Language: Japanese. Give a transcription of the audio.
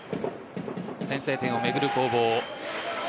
先制点を巡る攻防。